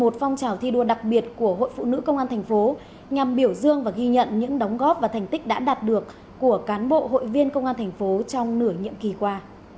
một phong trào thi đua đặc biệt của hội phụ nữ công an thành phố nhằm biểu dương và ghi nhận những đóng góp và thành tích đã đạt được của cán bộ hội viên công an thành phố trong nửa nhiệm kỳ qua